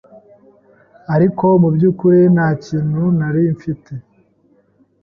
ariko mu by’ukuri ntakintu nari mfite,